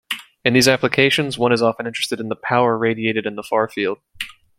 In these applications, one is often interested in the power radiated in the far-field.